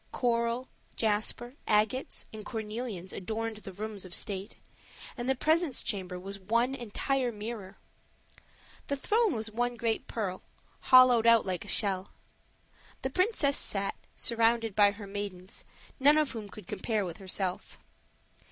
Coral, jasper, agates, and cornelians adorned the rooms of state, and the presence chamber was one entire mirror. The throne was one great pearl, hollowed like a shell; the princess sat, surrounded by her maidens, none of whom could compare with herself.